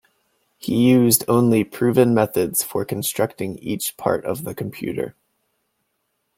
He used only proven methods for constructing each part of the computer.